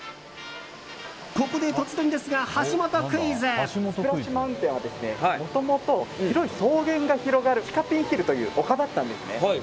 ここで突然ですが、橋本クイズ！スプラッシュ・マウンテンはもともと広い草原が広がるチカピンヒルという丘だったんですね。